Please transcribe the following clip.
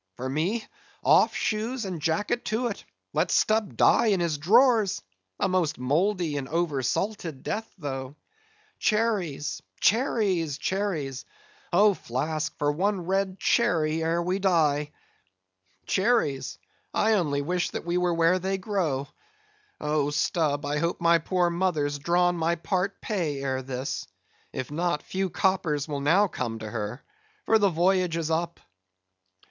For me, off shoes and jacket to it; let Stubb die in his drawers! A most mouldy and over salted death, though;—cherries! cherries! cherries! Oh, Flask, for one red cherry ere we die!" "Cherries? I only wish that we were where they grow. Oh, Stubb, I hope my poor mother's drawn my part pay ere this; if not, few coppers will now come to her, for the voyage is up."